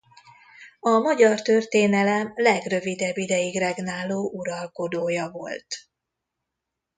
A magyar történelem legrövidebb ideig regnáló uralkodója volt.